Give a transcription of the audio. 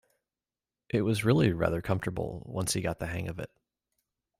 It was really rather comfortable, once he got the hang of it